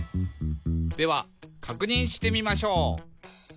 「ではかくにんしてみましょう」